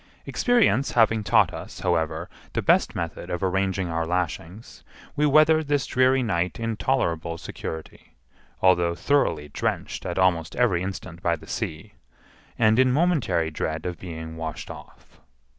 Experience having taught us, however, the best method of arranging our lashings, we weathered this dreary night in tolerable security, although thoroughly drenched at almost every instant by the sea, and in momentary dread of being washed off.